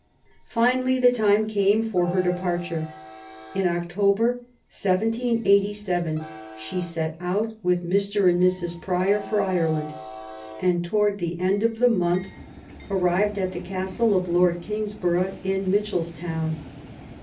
Finally the time came for her departure. In Oc tober, 1787, she set out with Mr. and Mrs. Prior for Ireland, and towards the end of the month arrived at {he~ castle of Lord Kingsborough in Mitchelstown.